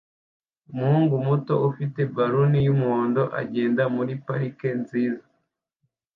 umuhungu muto ufite ballon yumuhondo agenda muri parike nziza